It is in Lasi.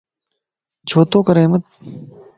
ڇو تو ڪري احمد؟